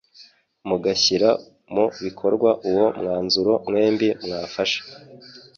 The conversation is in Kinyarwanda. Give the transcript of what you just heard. mugashyira mu bikorwa uwo mwanzuro mwembi mwafashe